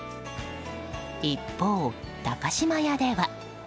一方、高島屋では。